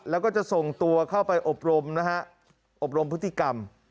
แล้วก็จะส่งตัวเข้าไปอบรมนะฮะอบรมพฤติกรรม